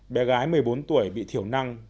bé gái một mươi bốn tuổi bị thiểu năng